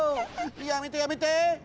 やめてやめて！